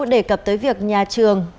đề cập tới việc nhà trường